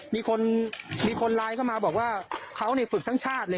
มีคนไลน์มาบอกว่าเขาถึงสั่งชาติเลย